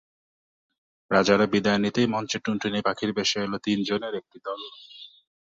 রাজারা বিদায় নিতেই মঞ্চে টুনটুনি পাখির বেশে এল তিনজনের একটি দল।